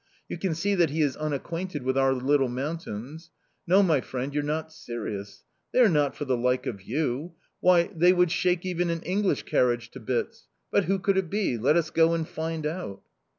You can see that he is unacquainted with our little mountains! No, my friend, you're not serious! They are not for the like of you; why, they would shake even an English carriage to bits! But who could it be? Let us go and find out."